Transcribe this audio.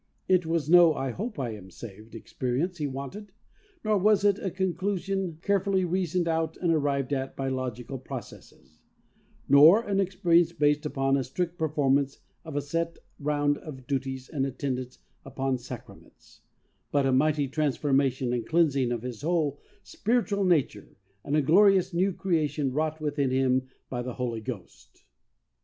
It was no "hope I am saved" expe rience he wanted; nor was it a conclusion carefully reasoned out and arrived at by logical processes; nor an experience based upon a strict performance of a set round of duties and attendance upon sacraments, but a mighty transformation and cleansing of his whole spiritual nature and a glorious new creation wrought within him by the Holy Ghost.